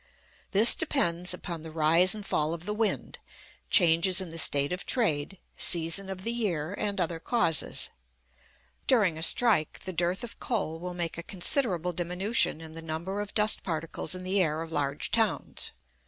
This depends upon the rise and fall of the wind, changes in the state of trade, season of the year, and other causes. During a strike, the dearth of coal will make a considerable diminution in the number of dust particles in the air of large towns.